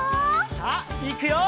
さあいくよ！